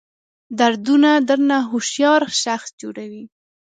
دردونه درنه هوښیار شخص جوړوي.